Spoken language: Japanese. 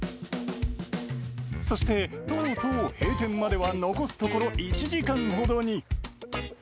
そして、とうとう閉店までは残すところ１時間ほどに。